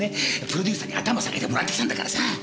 プロデューサーに頭下げてもらってきたんだからさぁ。